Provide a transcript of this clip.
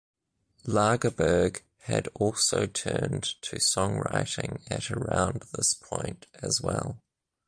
Lagerberg had also turned to songwriting at around this point as well.